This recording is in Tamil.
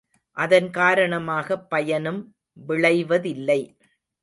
அதன் காரணமாகப் பயனும் விளைவதில்லை.